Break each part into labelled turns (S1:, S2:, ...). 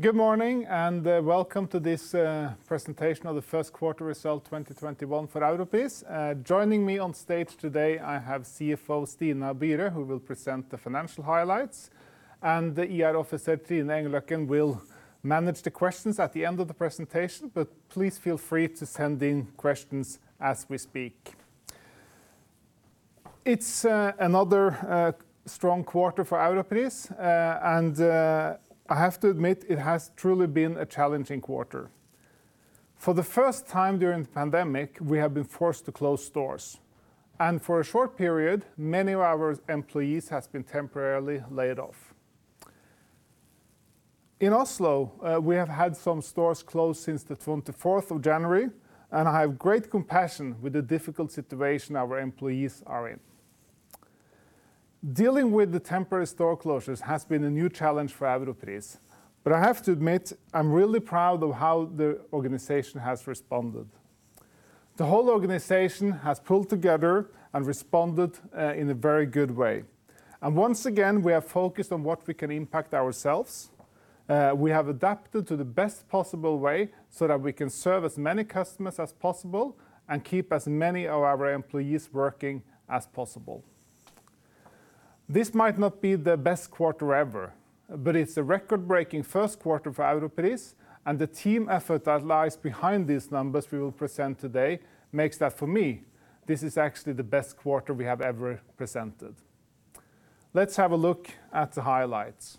S1: Good morning, welcome to this presentation of the first quarter result 2021 for Europris. Joining me on stage today, I have CFO Stina Byre, who will present the financial highlights. The IR Officer Trine Engløkken will manage the questions at the end of the presentation, please feel free to send in questions as we speak. It's another strong quarter for Europris. I have to admit it has truly been a challenging quarter. For the first time during the pandemic, we have been forced to close stores. For a short period, many of our employees have been temporarily laid off. In Oslo, we have had some stores closed since the 24th of January. I have great compassion with the difficult situation our employees are in. Dealing with the temporary store closures has been a new challenge for Europris, I have to admit, I'm really proud of how the organization has responded. The whole organization has pulled together and responded in a very good way. Once again, we are focused on what we can impact ourselves. We have adapted to the best possible way so that we can serve as many customers as possible and keep as many of our employees working as possible. This might not be the best quarter ever, but it's a record-breaking first quarter for Europris and the team effort that lies behind these numbers we will present today makes that, for me, this is actually the best quarter we have ever presented. Let's have a look at the highlights.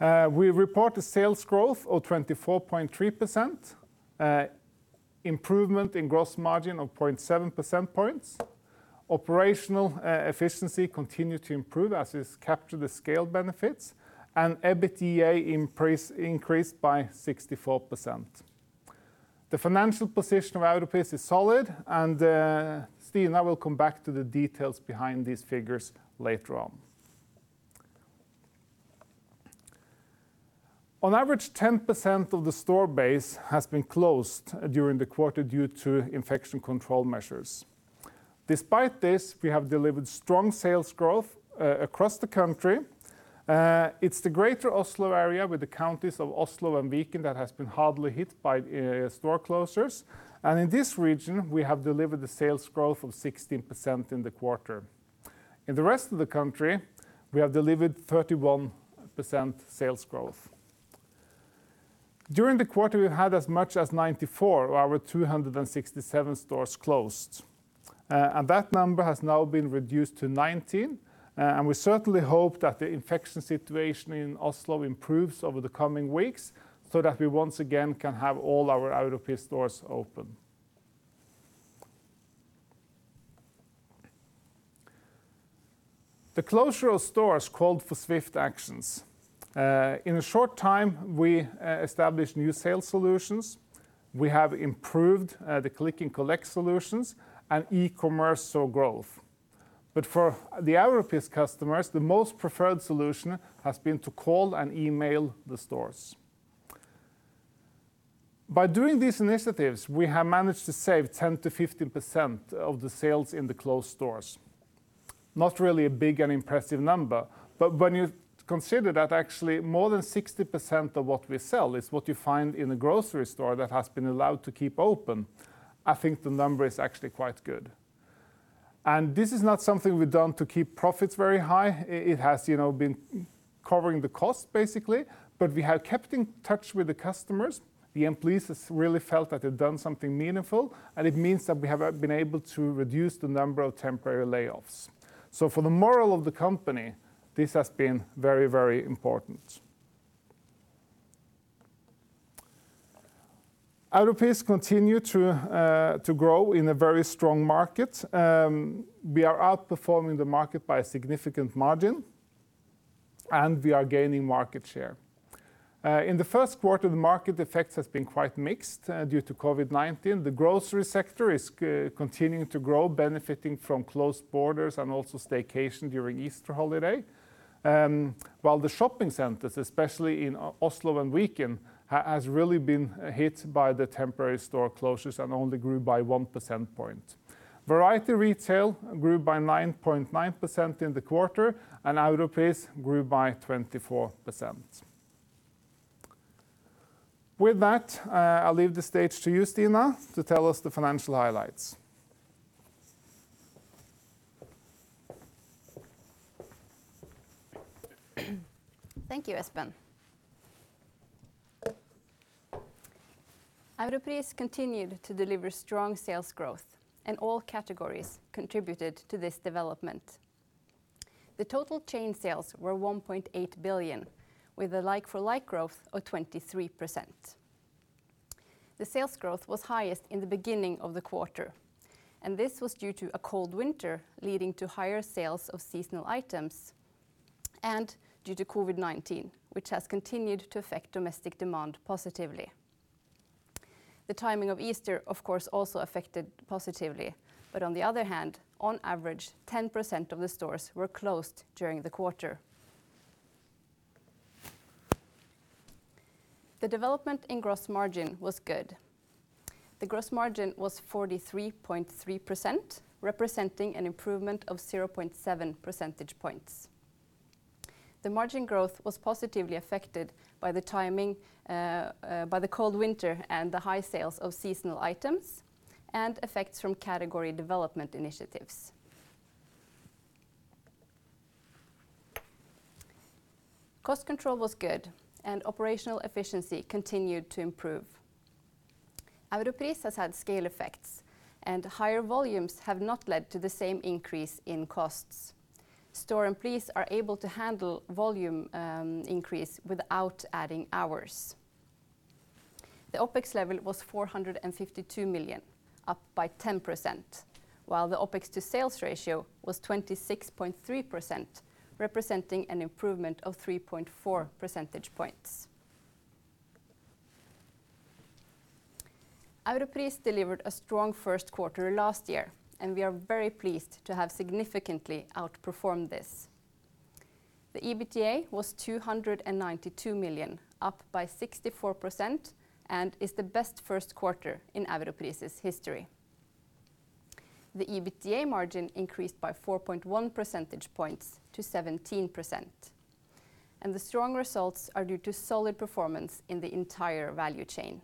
S1: We report a sales growth of 24.3%, improvement in gross margin of 0.7 percent points. Operational efficiency continued to improve as is captured the scale benefits. EBITDA increased by 64%. The financial position of Europris is solid. Stina will come back to the details behind these figures later on. On average, 10% of the store base has been closed during the quarter due to infection control measures. Despite this, we have delivered strong sales growth across the country. It's the greater Oslo area with the counties of Oslo and Viken that has been hard hit by store closures. In this region, we have delivered the sales growth of 16% in the quarter. In the rest of the country, we have delivered 31% sales growth. During the quarter, we've had as much as 94 of our 267 stores closed. That number has now been reduced to 19, we certainly hope that the infection situation in Oslo improves over the coming weeks so that we once again can have all our Europris stores open. The closure of stores called for swift actions. In a short time, we established new sales solutions. We have improved the click and collect solutions and e-commerce saw growth. For the Europris customers, the most preferred solution has been to call and email the stores. By doing these initiatives, we have managed to save 10%-50% of the sales in the closed stores. Not really a big and impressive number, when you consider that actually more than 60% of what we sell is what you find in a grocery store that has been allowed to keep open, I think the number is actually quite good. This is not something we've done to keep profits very high. It has been covering the cost basically, but we have kept in touch with the customers. The employees have really felt that they've done something meaningful, and it means that we have been able to reduce the number of temporary layoffs. For the moral of the company, this has been very important. Europris continue to grow in a very strong market. We are outperforming the market by a significant margin, and we are gaining market share. In the first quarter, the market effects has been quite mixed due to COVID-19. The grocery sector is continuing to grow, benefiting from closed borders and also staycation during Easter holiday. While the shopping centers, especially in Oslo and Viken, has really been hit by the temporary store closures and only grew by one percent point. Variety retail grew by 9.9% in the quarter, and Europris grew by 24%. With that, I'll leave the stage to you, Stina, to tell us the financial highlights.
S2: Thank you, Espen. Europris continued to deliver strong sales growth, and all categories contributed to this development. The total chain sales were 1.8 billion, with a like-for-like growth of 23%. The sales growth was highest in the beginning of the quarter, and this was due to a cold winter, leading to higher sales of seasonal items and due to COVID-19, which has continued to affect domestic demand positively. The timing of Easter, of course, also affected positively. On the other hand, on average, 10% of the stores were closed during the quarter. The development in gross margin was good. The gross margin was 43.3%, representing an improvement of 0.7 percentage points. The margin growth was positively affected by the cold winter and the high sales of seasonal items and effects from category development initiatives. Cost control was good and operational efficiency continued to improve. Europris has had scale effects, and higher volumes have not led to the same increase in costs. Store employees are able to handle volume increase without adding hours. The OpEx level was 452 million, up by 10%, while the OpEx to sales ratio was 26.3%, representing an improvement of 3.4 percentage points. Europris delivered a strong first quarter last year, and we are very pleased to have significantly outperformed this. The EBITDA was 292 million, up by 64%, and is the best first quarter in Europris' history. The EBITDA margin increased by 4.1 percentage points to 17%, and the strong results are due to solid performance in the entire value chain.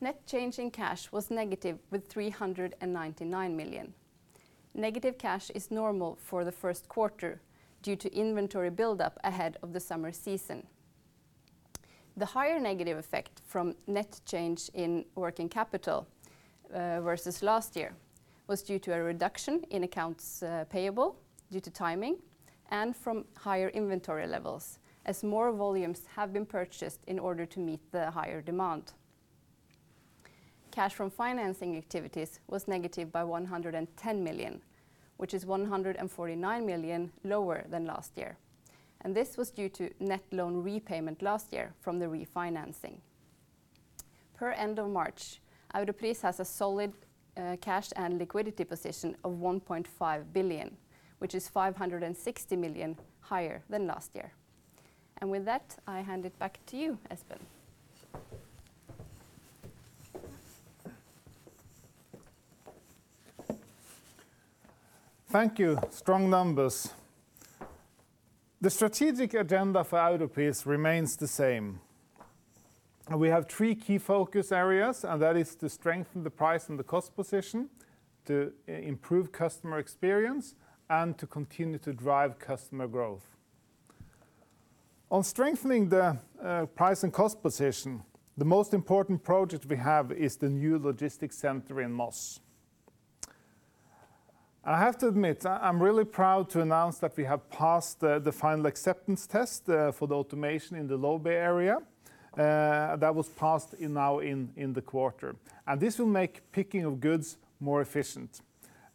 S2: Net change in cash was negative with 399 million. Negative cash is normal for the first quarter due to inventory buildup ahead of the summer season. The higher negative effect from net change in working capital versus last year was due to a reduction in accounts payable due to timing and from higher inventory levels as more volumes have been purchased in order to meet the higher demand. Cash from financing activities was negative by 110 million, which is 149 million lower than last year, and this was due to net loan repayment last year from the refinancing. Per end of March, Europris has a solid cash and liquidity position of 1.5 billion, which is 560 million higher than last year. With that, I hand it back to you, Espen.
S1: Thank you. Strong numbers. The strategic agenda for Europris remains the same. We have three key focus areas, and that is to strengthen the price and the cost position, to improve customer experience, and to continue to drive customer growth. On strengthening the price and cost position, the most important project we have is the new logistics center in Moss. I have to admit, I'm really proud to announce that we have passed the final acceptance test for the automation in the low bay area that was passed now in the quarter. This will make picking of goods more efficient.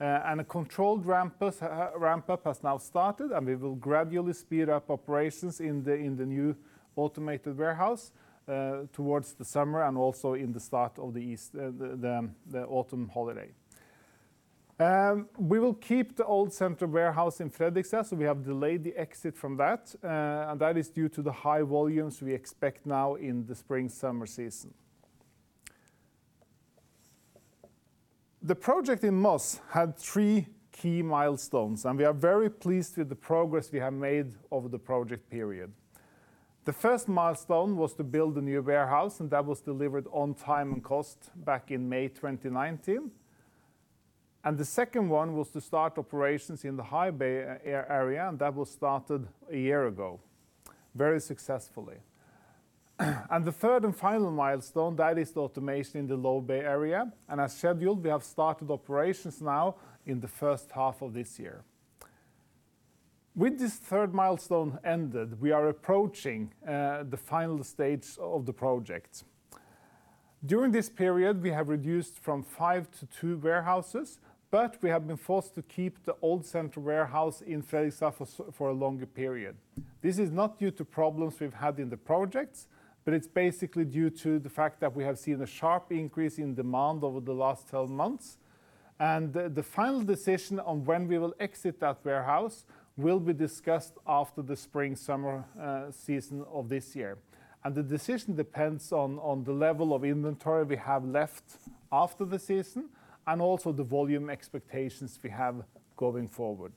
S1: A controlled ramp-up has now started, and we will gradually speed up operations in the new automated warehouse towards the summer and also in the start of the autumn holiday. We will keep the old central warehouse in Fredrikstad, so we have delayed the exit from that, and that is due to the high volumes we expect now in the spring/summer season. The project in Moss had three key milestones, and we are very pleased with the progress we have made over the project period. The first milestone was to build a new warehouse, and that was delivered on time and cost back in May 2019. The second one was to start operations in the high bay area, and that was started a year ago very successfully. The third and final milestone, that is the automation in the low bay area. As scheduled, we have started operations now in the first half of this year. With this third milestone ended, we are approaching the final stage of the project. During this period, we have reduced from five to two warehouses, but we have been forced to keep the old central warehouse in Fredrikstad for a longer period. This is not due to problems we've had in the project, but it's basically due to the fact that we have seen a sharp increase in demand over the last 12 months. The final decision on when we will exit that warehouse will be discussed after the spring/summer season of this year. The decision depends on the level of inventory we have left after the season and also the volume expectations we have going forward.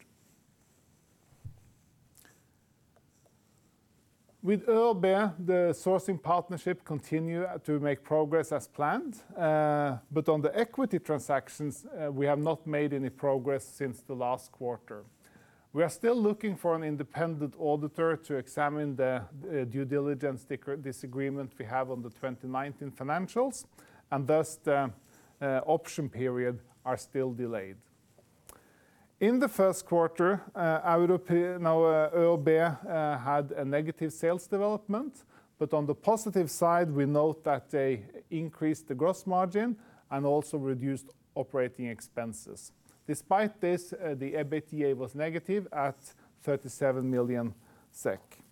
S1: With ÖoB, the sourcing partnership continue to make progress as planned. On the equity transactions, we have not made any progress since the last quarter. We are still looking for an independent auditor to examine the due diligence disagreement we have on the 2019 financials, thus the option period are still delayed. In the first quarter, ÖoB had a negative sales development, on the positive side, we note that they increased the gross margin and also reduced operating expenses. Despite this, the EBITDA was negative at 37 million SEK.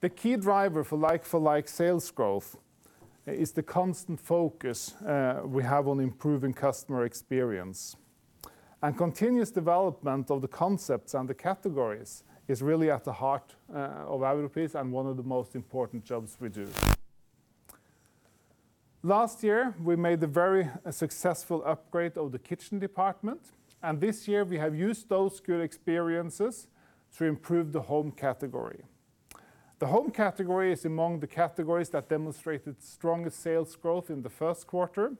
S1: The key driver for like-for-like sales growth is the constant focus we have on improving customer experience. Continuous development of the concepts and the categories is really at the heart of Europris and one of the most important jobs we do. Last year, we made a very successful upgrade of the kitchen department, this year we have used those good experiences to improve the home category. The home category is among the categories that demonstrated strongest sales growth in the first quarter,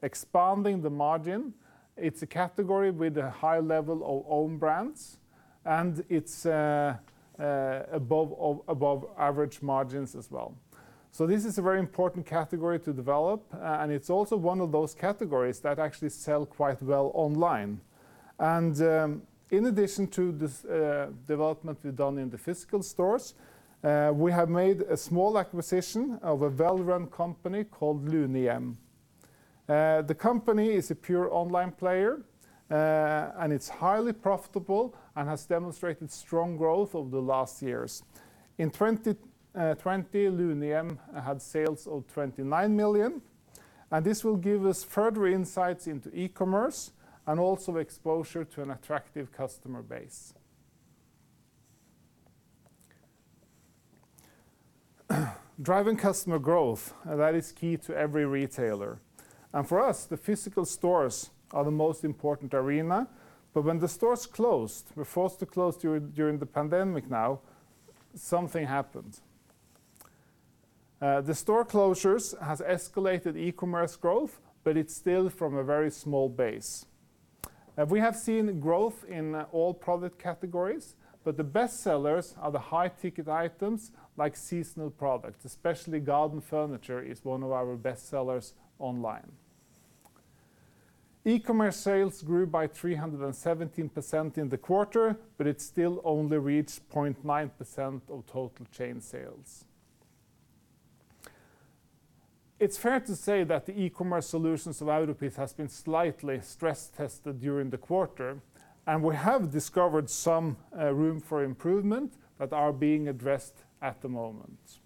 S1: expanding the margin. It's a category with a high level of own brands. It's above average margins as well. This is a very important category to develop, and it's also one of those categories that actually sell quite well online. In addition to this development we've done in the physical stores, we have made a small acquisition of a well-run company called Lunehjem. The company is a pure online player, and it's highly profitable and has demonstrated strong growth over the last years. In 2020, Lunehjem had sales of 29 million, and this will give us further insights into e-commerce and also exposure to an attractive customer base. Driving customer growth, that is key to every retailer. For us, the physical stores are the most important arena. When the stores closed, were forced to close during the pandemic now, something happened. The store closures has escalated e-commerce growth, it's still from a very small base. We have seen growth in all product categories, the best sellers are the high-ticket items like seasonal products, especially garden furniture is one of our best sellers online. E-commerce sales grew by 317% in the quarter, it still only reached 0.9% of total chain sales. It's fair to say that the e-commerce solutions of Europris has been slightly stress-tested during the quarter, we have discovered some room for improvement that are being addressed at the moment.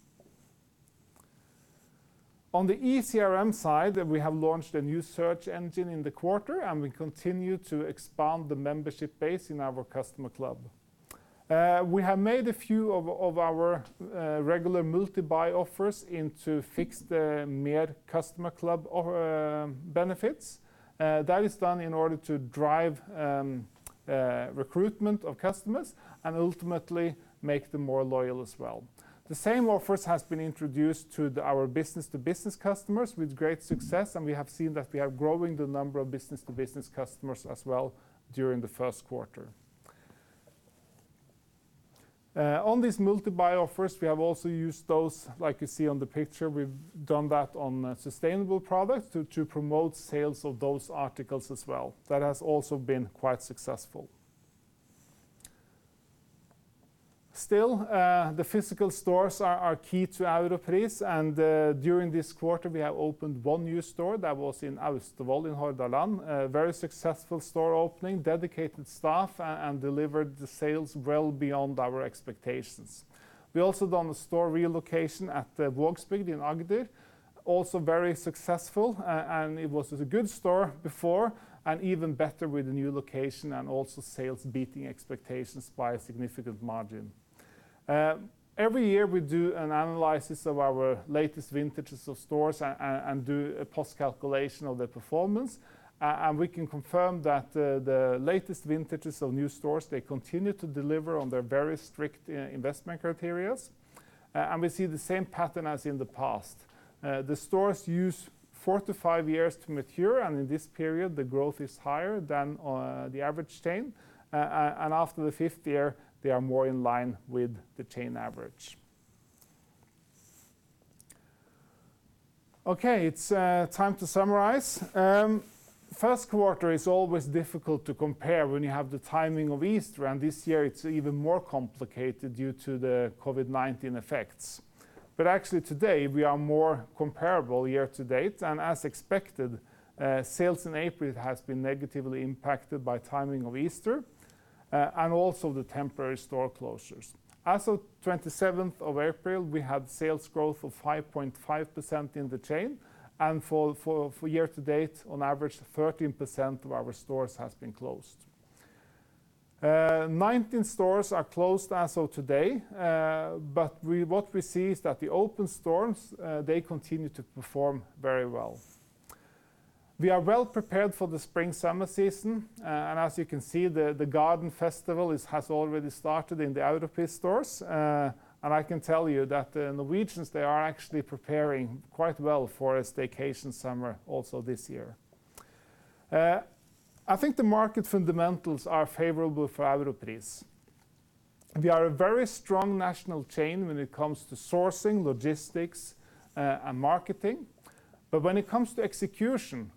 S1: On the eCRM side, we have launched a new search engine in the quarter, we continue to expand the membership base in our customer club. We have made a few of our regular multi-buy offers into fixed MER Customer Club benefits. That is done in order to drive recruitment of customers and ultimately make them more loyal as well. The same offers has been introduced to our business-to-business customers with great success, and we have seen that we are growing the number of business-to-business customers as well during the first quarter. On these multi-buy offers, we have also used those, like you see on the picture, we've done that on sustainable products to promote sales of those articles as well. That has also been quite successful. Still, the physical stores are key to Europris, and during this quarter, we have opened one new store that was in Austevoll, in Hordaland. A very successful store opening, dedicated staff, and delivered the sales well beyond our expectations. We've also done a store relocation at Vågsbygd in Agder. Also very successful, and it was a good store before and even better with the new location and also sales beating expectations by a significant margin. Every year we do an analysis of our latest vintages of stores and do a post-calculation of their performance. We can confirm that the latest vintages of new stores, they continue to deliver on their very strict investment criteria. We see the same pattern as in the past. The stores use four to five years to mature. In this period, the growth is higher than the average chain. After the fifth year, they are more in line with the chain average. Okay. It's time to summarize. First quarter is always difficult to compare when you have the timing of Easter. This year it's even more complicated due to the COVID-19 effects. Actually today, we are more comparable year to date. As expected, sales in April has been negatively impacted by timing of Easter, and also the temporary store closures. As of 27th of April, we had sales growth of 5.5% in the chain. For year to date, on average, 13% of our stores has been closed. 19 stores are closed as of today, but what we see is that the open stores, they continue to perform very well. We are well prepared for the spring/summer season. As you can see, the garden festival has already started in the Europris stores. I can tell you that the Norwegians, they are actually preparing quite well for a staycation summer also this year. I think the market fundamentals are favorable for Europris. We are a very strong national chain when it comes to sourcing, logistics, and marketing. When it comes to execution,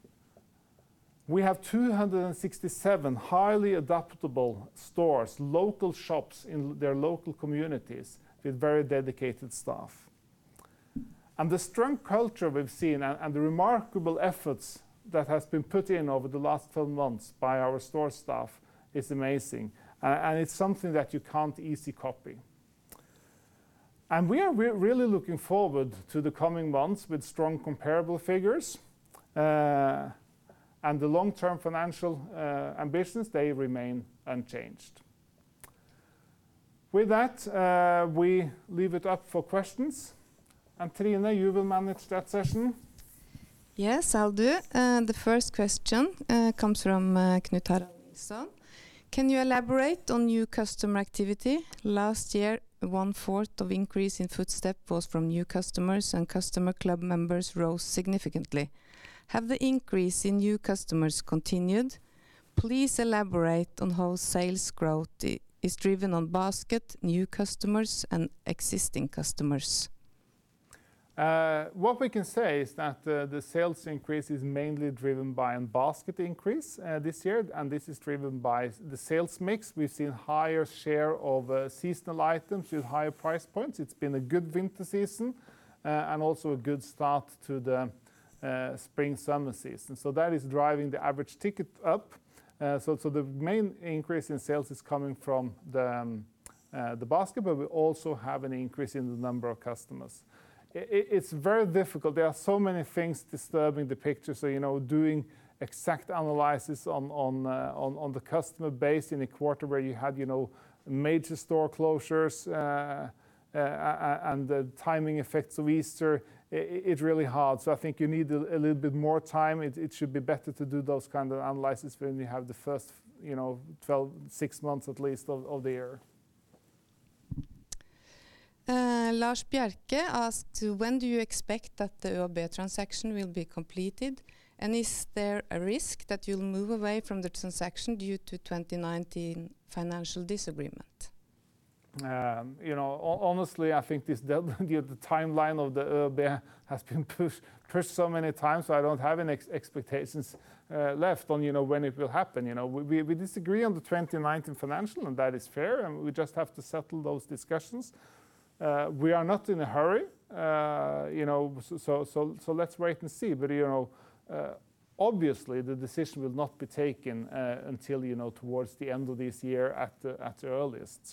S1: we have 267 highly adaptable stores, local shops in their local communities with very dedicated staff. The strong culture we've seen and the remarkable efforts that has been put in over the last 12 months by our store staff is amazing. It's something that you can't easily copy. We are really looking forward to the coming months with strong comparable figures. The long-term financial ambitions, they remain unchanged. With that, we leave it up for questions. Trine Engløkken, you will manage that session.
S3: Yes, I'll do. The first question comes from Knut Harald Nilsson. Can you elaborate on new customer activity? Last year, 1/4 of increase in footstep was from new customers, and customer club members rose significantly. Have the increase in new customers continued? Please elaborate on how sales growth is driven on basket, new customers, and existing customers.
S1: What we can say is that the sales increase is mainly driven by a basket increase this year, and this is driven by the sales mix. We've seen higher share of seasonal items with higher price points. It's been a good winter season, and also a good start to the spring, summer season. That is driving the average ticket up. The main increase in sales is coming from the basket, but we also have an increase in the number of customers. It's very difficult. There are so many things disturbing the picture, so doing exact analysis on the customer base in a quarter where you had major store closures and the timing effects of Easter, it's really hard. I think you need a little bit more time. It should be better to do those kind of analysis when we have the first six months at least of the year.
S3: Lars Bjerke asked, when do you expect that the ÖoB transaction will be completed, and is there a risk that you'll move away from the transaction due to 2019 financial disagreement?
S1: Honestly, I think the timeline of the ÖoB has been pushed so many times, so I don't have any expectations left on when it will happen. We disagree on the 2019 financial, and that is fair, and we just have to settle those discussions. We are not in a hurry, so let's wait and see. Obviously, the decision will not be taken until towards the end of this year at the earliest.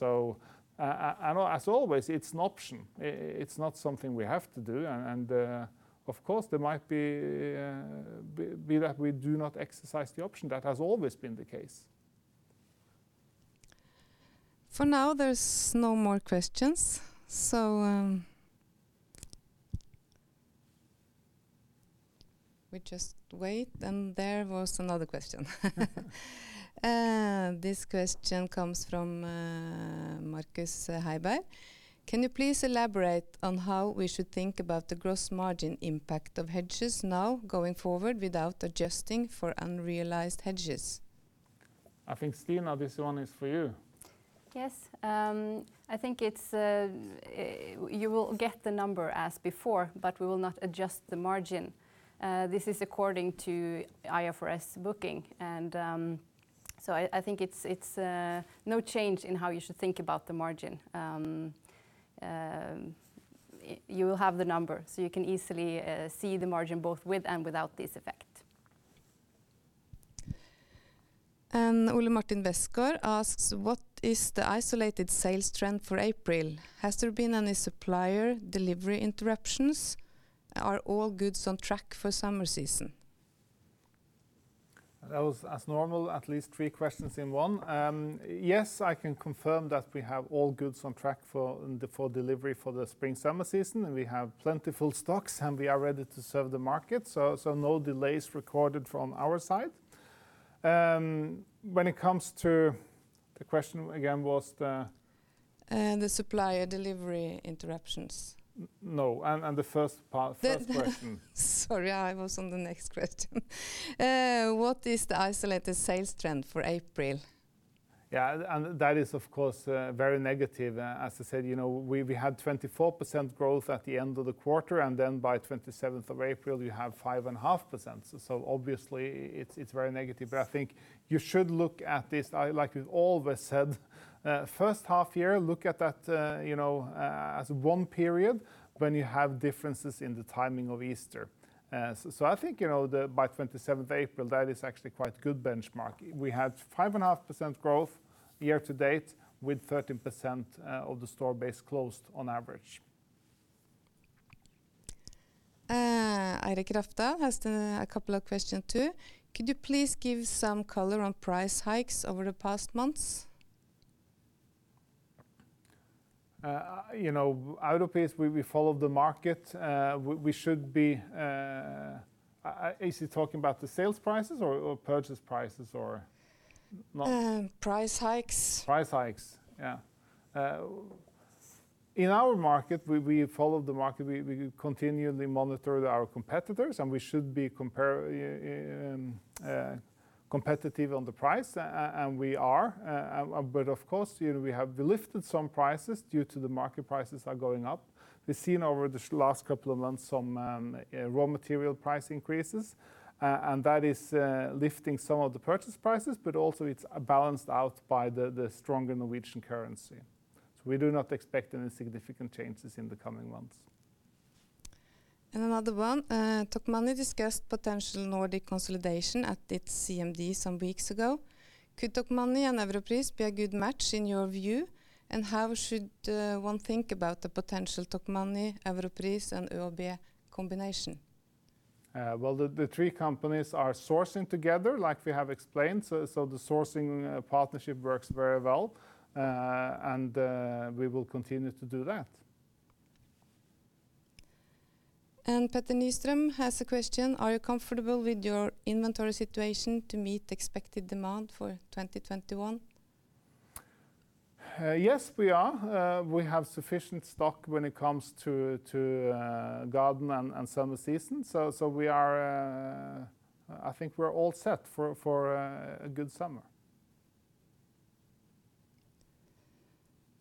S1: As always, it's an option. It's not something we have to do, and of course, it might be that we do not exercise the option. That has always been the case.
S3: For now, there's no more questions. We just wait. There was another question. This question comes from Markus Heiberg. Can you please elaborate on how we should think about the gross margin impact of hedges now going forward without adjusting for unrealized hedges?
S1: I think, Stina, this one is for you.
S2: Yes. I think you will get the number as before, but we will not adjust the margin. This is according to IFRS booking, and so I think it's no change in how you should think about the margin. You will have the number, so you can easily see the margin both with and without this effect.
S3: Ole Martin Westgaard asks, what is the isolated sales trend for April? Has there been any supplier delivery interruptions? Are all goods on track for summer season?
S1: That was as normal, at least three questions in one. Yes, I can confirm that we have all goods on track for delivery for the spring, summer season. We have plentiful stocks. We are ready to serve the market. No delays recorded from our side.
S3: The supplier delivery interruptions.
S1: No, the first part, first question.
S3: Sorry, I was on the next question. What is the isolated sales trend for April?
S1: That is, of course, very negative. As I said, we had 24% growth at the end of the quarter, and then by 27th of April, we have 5.5%. Obviously it's very negative, but I think you should look at this, like we've always said, first half year, look at that as one period when you have differences in the timing of Easter. I think, by 27th of April, that is actually quite a good benchmark. We had 5.5% growth year to date with 13% of the store base closed on average.
S3: Eirik Raude has a couple of question, too. Could you please give some color on price hikes over the past months?
S1: Out of pace, we follow the market. Is he talking about the sales prices or purchase prices or not?
S3: Price hikes.
S1: Price hikes. Yeah. In our market, we follow the market. We continually monitor our competitors, and we should be competitive on the price, and we are. Of course, we have lifted some prices due to the market prices are going up. We've seen over the last couple of months some raw material price increases, and that is lifting some of the purchase prices, but also it's balanced out by the stronger Norwegian currency. We do not expect any significant changes in the coming months.
S3: Another one. Tokmanni discussed potential Nordic consolidation at its CMD some weeks ago. Could Tokmanni and Europris be a good match in your view, and how should one think about the potential Tokmanni, Europris, and ÖoB combination?
S1: Well, the three companies are sourcing together, like we have explained. The sourcing partnership works very well, and we will continue to do that.
S3: Petter Nystrøm has a question: Are you comfortable with your inventory situation to meet expected demand for 2021?
S1: Yes, we are. We have sufficient stock when it comes to garden and summer season. I think we're all set for a good summer.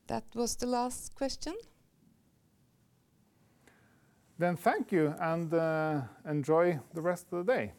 S3: That was the last question.
S1: Thank you, and enjoy the rest of the day.